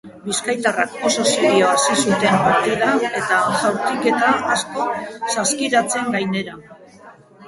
Bizkaitarrak oso serio hasi zuten partida eta jaurtiketa asko saskiratzen gainera.